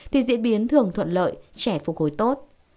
thì diễn biến thường thuận lợi trẻ phục hồi tốt